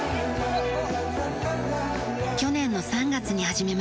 去年の３月に始めました。